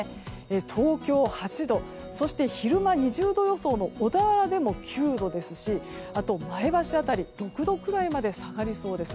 東京、８度、そして昼間２０度予想の小田原でも９度ですし、あと前橋辺り６度くらいまで下がりそうです。